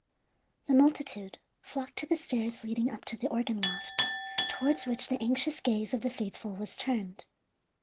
The multitude flocked to the stairs leading up to the organ loft, towards which the anxious gaze of the faithful was turned.